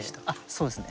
そうですね。